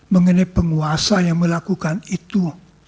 mengenai penguasa yang melakukan itu